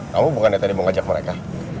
kamu bukan dateng mau ngajak mereka